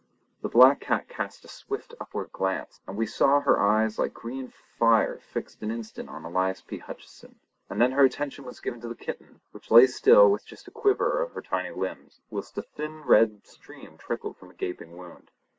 The black cat cast a swift upward glance, and we saw her eyes like green fire fixed an instant on Elias P. Hutcheson; and then her attention was given to the kitten, which lay still with just a quiver of her tiny limbs, whilst a thin red stream trickled from a gaping wound.